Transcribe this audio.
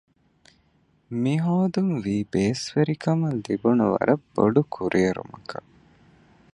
މިހޯދުން ވީ ބޭސްވެރިކަމަށް ލިބުނު ވަރަށް ބޮޑުކުރިއެރުމަކަށް